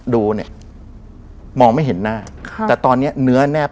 ดูเนี่ยมองไม่เห็นหน้าค่ะแต่ตอนเนี้ยเนื้อแนบ